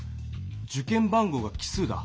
受験番号が奇数だ。